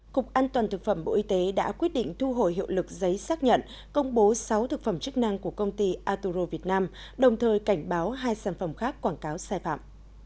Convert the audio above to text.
cục an toàn thực phẩm bộ y tế đã quyết định thu hồi hiệu lực giấy xác nhận công bố sáu thực phẩm chức năng của công ty aturo việt nam đồng thời cảnh báo hai sản phẩm khác quảng cáo sai phạm